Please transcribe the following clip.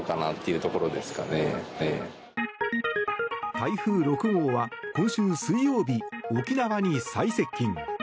台風６号は今週水曜日沖縄に最接近。